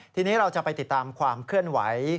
ทีนี้เราจะไปติดตามความเคลื่อนไหว